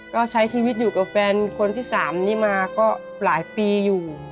ก็ใช้ชีวิตอยู่กับแฟนคนที่๓นี้มาก็หลายปีอยู่